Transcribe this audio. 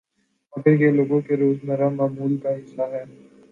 مگر یہ لوگوں کے روزمرہ معمول کا حصہ ہے